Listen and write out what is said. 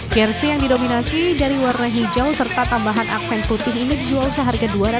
jersey yang didominasi dari warna hijau serta tambahan aksen putih ini dijual seharga rp dua ratus lima puluh per buahnya